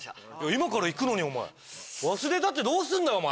今から行くのにお前忘れたってどうすんだよお前！